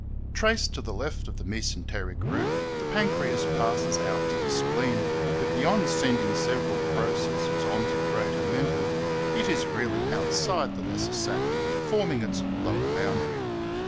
Traced to the left of the mesenteric root, the pancreas passes out to the spleen, but beyond sending several processes on to the great omentum it is really out side the lesser sac, forming its lower boundary.